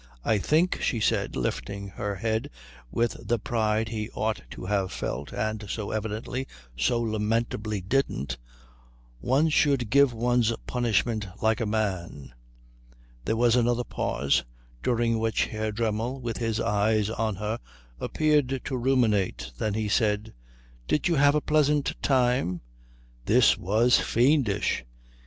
"I think," she said, lifting her head with the pride he ought to have felt and so evidently, so lamentably, didn't, "one should give one's punishment like a man." There was another pause, during which Herr Dremmel, with his eyes on hers, appeared to ruminate. Then he said, "Did you have a pleasant time?" This was fiendish.